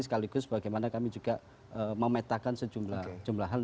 sekaligus bagaimana kami juga memetakan sejumlah hal